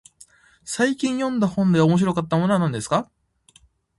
最近読んだ本で面白かったものは何ですか。